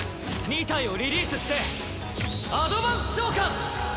２体をリリースしてアドバンス召喚！